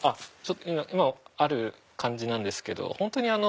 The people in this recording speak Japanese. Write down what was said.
今ある感じなんですけど本当にあの。